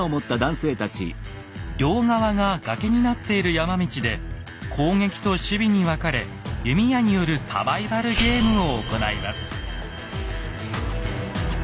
両側が崖になっている山道で攻撃と守備に分かれ弓矢によるサバイバルゲームを行います。